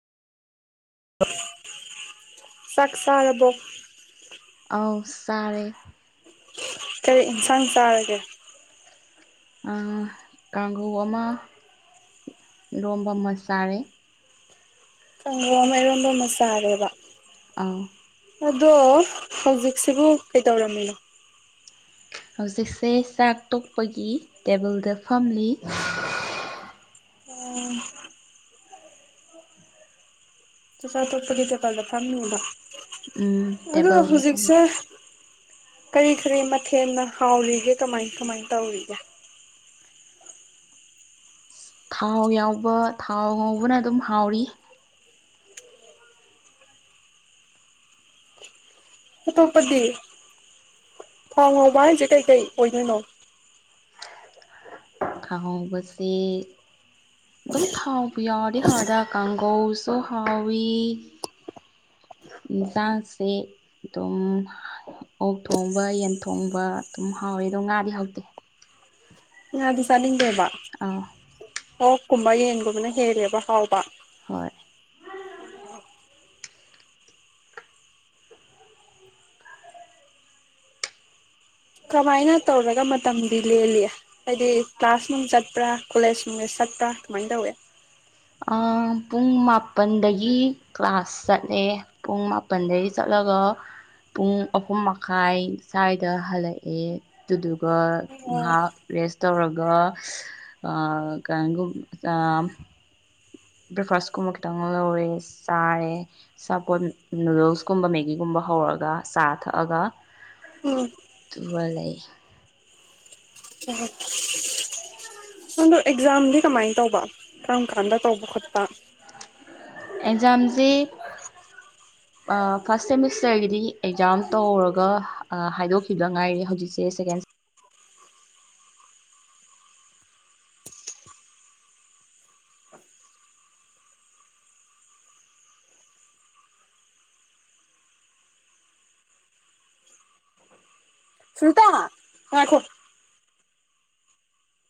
ꯆꯥꯛ ꯆꯥꯔꯕꯣ ꯑꯧ ꯆꯥꯔꯦ ꯀꯔꯤ ꯏꯟꯁꯥꯡ ꯆꯥꯔꯒꯦ ꯑ ꯀꯥꯡꯍ‌‌ꯧ ꯑꯃ ꯏꯔ‌ꯣꯝꯕ ꯑꯃ ꯆꯥꯔꯦ ꯀꯥꯡꯍꯧ ꯑꯃ ꯏꯔꯣꯟꯕ ꯑꯃ ꯆꯥꯔꯦꯕ ꯑ ꯑꯗꯣ ꯍꯧꯖꯤꯛꯁꯤꯕꯨ ꯀꯩꯇꯧꯔꯝꯃꯤꯅꯣ ꯍꯧꯖꯤꯛꯁꯦ ꯆꯥꯛ ꯇꯣꯛꯄꯒꯤ ꯇꯦꯕꯜꯗ ꯐꯝꯂꯤ ꯑꯣ ꯆꯥꯆꯥꯥ ꯊꯣꯄꯒꯤ ꯗꯀꯥꯗ ꯐꯝꯅꯤꯗ ꯎꯝ ꯑꯗꯣ ꯇꯦꯕꯜꯗ ꯐꯝꯂꯤ ꯍꯧꯖꯤꯛꯁꯦ ꯀꯔꯤ ꯀꯔꯤ ꯃꯊꯦꯜꯅ ꯍꯥꯎꯔꯤꯒꯦ ꯀꯃꯥꯏ ꯀꯃꯥꯏ ꯇꯧꯔꯤꯒꯦ ꯊꯥꯎ ꯌꯥꯎꯕ ꯊꯥꯎ ꯉꯧꯕꯅ ꯑꯗꯨꯝ ꯍꯥꯎꯔꯤ ꯑꯇꯣꯞꯄꯗꯤ ꯊꯥꯎ ꯉꯥꯎꯕ ꯍꯥꯏꯁꯦ ꯀꯩꯀꯩ ꯑꯣꯏꯗꯣꯏꯅꯣ ꯈꯥꯍꯧꯕꯁꯦ ꯑꯗꯨꯝ ꯊꯥꯎꯕ ꯌꯥꯎꯔꯗꯤ ꯍꯔꯗ ꯀꯥꯡꯒꯧꯁꯨꯣꯍꯋꯤ ꯏꯟꯁꯥꯡꯁꯦ ꯑꯗꯨꯝ ꯑꯣꯛ ꯊꯣꯡꯕ ꯌꯦꯟ ꯊꯣꯡꯕ ꯑꯗꯨꯝ ꯍꯥꯎꯋꯦ ꯑꯗꯣ ꯉꯥꯗꯤ ꯍꯥꯎꯇꯦ ꯑꯗꯨ ꯆꯅꯤꯡꯗꯦꯕ ꯑꯥ ꯑꯣꯛꯀꯨꯝꯕ ꯌꯦꯟꯒꯨꯝꯕꯅ ꯍꯦꯜꯂꯦꯕ ꯍꯥꯎꯕ ꯍꯣꯏ ꯀꯃꯥꯏꯅ ꯇꯧꯔꯒ ꯃꯇꯝꯗꯤ ꯂꯦꯜꯂꯤ ꯍꯥꯏꯗꯤ ꯀ꯭ꯂꯥꯁ ꯅꯨꯡ ꯆꯠꯄ꯭ꯔꯥ ꯀꯣꯂꯦꯖ ꯅꯨꯡꯗ ꯆꯠꯄ꯭ꯔꯥ ꯀꯃꯥꯏꯅ ꯇꯧꯋꯦ ꯄꯨꯡ ꯃꯥꯄꯜꯗꯒꯤ ꯀ꯭ꯂꯥꯁ ꯆꯠꯂꯦ ꯄꯨꯡ ꯃꯥꯄꯜꯗꯒꯤ ꯆꯠꯂꯒ ꯄꯨꯡ ꯑꯍꯨꯝ ꯃꯈꯥꯏ ꯁ꯭ꯋꯥꯏꯗ ꯍꯜꯂꯛꯑꯦ ꯑꯗꯨꯗꯨꯒ ꯑꯣ ꯉꯥꯏꯍꯥꯛ ꯔꯦꯁ ꯇꯧꯔꯒ ꯀꯒꯨꯝ ꯕ꯭ꯔꯦꯛꯐꯥꯁ ꯀꯨꯝꯕ ꯈꯤꯇꯪ ꯂꯧꯔꯦ ꯆꯥꯔꯦ ꯁꯥꯄꯣꯠ ꯅꯨꯗꯜꯁꯀꯨꯝꯕ ꯃꯦꯒꯤꯒꯨꯝꯕ ꯍꯧꯔꯒ ꯆꯥ ꯊꯛꯑꯒ ꯎꯝ ꯑꯗꯨꯒ ꯋꯥ ꯂꯩ ꯌꯥ ꯑꯗꯣ ꯑꯦꯛꯖꯥꯝꯗꯤ ꯀꯃꯥꯏꯅ ꯇꯧꯕ ꯀꯔꯝ ꯀꯥꯟꯗ ꯇꯧꯕ ꯈꯣꯠꯄ ꯑꯦꯛꯖꯥꯝꯁꯤ [inaudible] ꯐꯥꯔꯁꯠ ꯁꯦꯃꯤꯁꯇꯔꯒꯤꯗꯤ ꯑꯦꯛꯖꯥꯝ ꯇꯧꯔꯒ ꯍꯥꯏꯗꯣꯛꯈꯤꯕꯗ ꯉꯥꯏꯔꯦ ꯍꯧꯖꯤꯛꯁꯦ ꯁꯦꯀꯦꯟ ꯁꯇ ꯍ